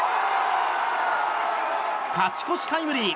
勝ち越しタイムリー！